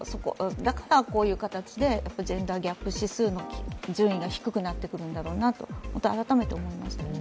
だから、こういう形でジェンダーギャップ指数の順位が低くなってくるんだろうなと改めて感じました。